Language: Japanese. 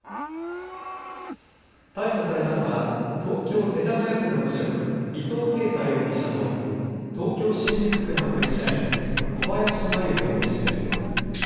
逮捕されたのは東京世田谷区の無職、伊藤啓太容疑者と東京新宿区の会社員、小林真優容疑者です。